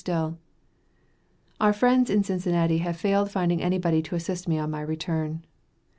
Still: Our friends in Cincinnati have failed finding anybody to assist me on my return.